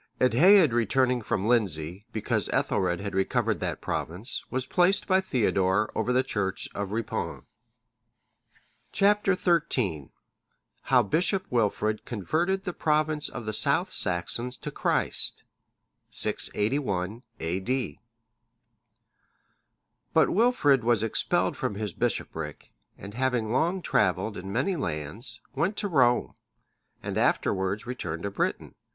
Eadhaed returning from Lindsey, because Ethelred had recovered that province,(612) was placed by Theodore over the church of Ripon.(613) Chap. XIII. How Bishop Wilfrid converted the province of the South Saxons to Christ. [681 A.D.] But Wilfrid was expelled from his bishopric, and having long travelled in many lands, went to Rome,(614) and afterwards returned to Britain.